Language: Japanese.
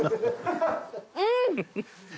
うん！